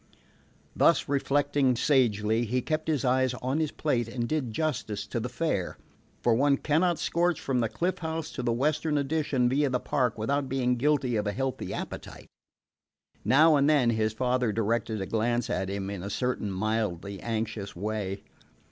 Thus reflecting sagely, he kept his eyes on his plate and did justice to the fare; for one cannot scorch from the Cliff House to the Western Addition via the park without being guilty of a healthy appetite. Now and then his father directed a glance at him in a certain mildly anxious way.